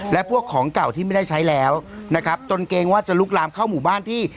และพวกของเก่าที่ไม่ได้ใช้แล้วนะครับจนเกรงว่าจะลุกลามเข้าหมู่บ้านที่